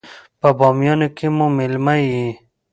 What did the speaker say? په بامیانو کې مو مېلمه يې.